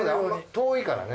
遠いからね。